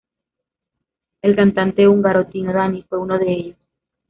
El cantante húngaro Tino Dani fue uno de ellos.